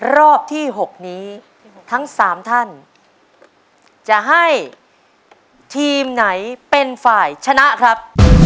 รอบที่๖นี้ทั้ง๓ท่านจะให้ทีมไหนเป็นฝ่ายชนะครับ